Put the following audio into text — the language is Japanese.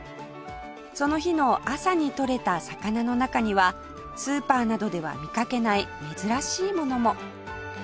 その日の朝にとれた魚の中にはスーパーなどでは見かけない珍しいものも